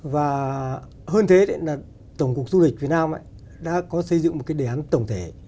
và hơn thế là tổng cục du lịch việt nam đã có xây dựng một cái đề án tổng thể